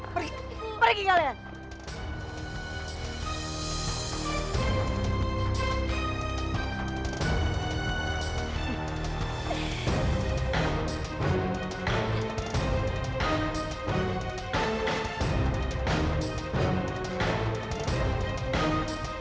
pergi pergi kalian